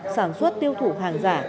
sản xuất tiêu thủ hàng giả